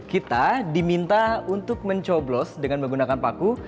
kita diminta untuk mencoblos dengan menggunakan paku